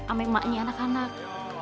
ama emaknya anak anak